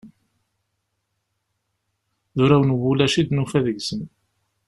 D urawen n ulac i d-nufa deg-sen.